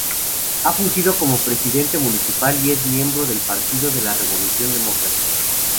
Ha fungido como Presidente Municipal y es miembro del Partido de la Revolución Democrática.